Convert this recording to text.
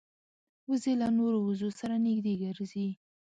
وزې له نورو وزو سره نږدې ګرځي